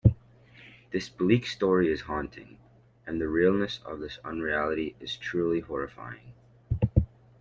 This bleak story is haunting, and the 'realness' of this unreality is truly horrifying.